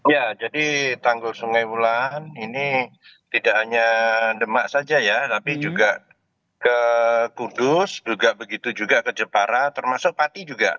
ya jadi tanggul sungai wulan ini tidak hanya demak saja ya tapi juga ke kudus juga begitu juga ke jepara termasuk pati juga